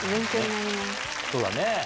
そうだね。